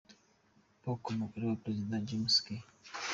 Polk, umugore wa perezida James K.